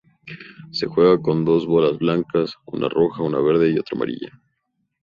Se juega con dos bolas blancas, una roja, una verde y otra amarilla.